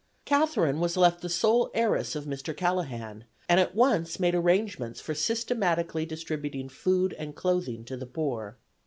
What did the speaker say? Catherine was left the sole heiress of Mr. Callahan, and at once made arrangements for systematically distributing food and clothing to the poor.